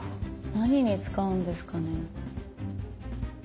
何に使うんですかね。